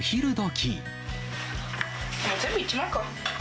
もう全部いっちまうか。